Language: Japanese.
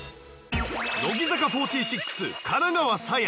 乃木坂４６金川紗耶。